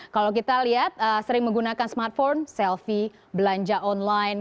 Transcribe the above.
kalau kita lihat sering menggunakan smartphone selfie belanja online